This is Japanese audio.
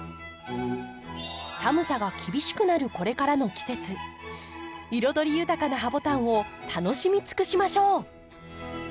寒さが厳しくなるこれからの季節彩り豊かなハボタンを楽しみつくしましょう！